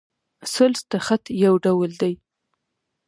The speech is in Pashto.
ثلث د خط؛ یو ډول دﺉ.